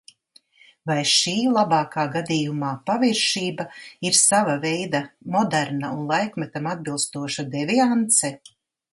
Vai šī labākā gadījumā paviršība ir sava veida moderna un laikmetam atbilstoša deviance?